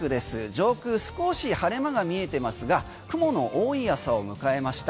上空、少し晴れ間が見えてますが雲の多い朝を迎えました。